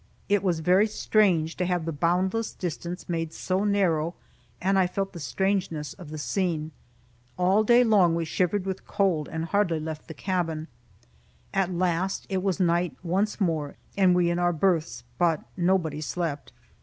It was very strange to have the boundless distance made so narrow, and I felt the strangeness of the scene. All day long we shivered with cold, and hardly left the cabin. At last it was night once more, and we in our berths. But nobody slept.